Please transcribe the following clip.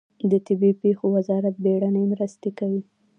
د طبیعي پیښو وزارت بیړنۍ مرستې کوي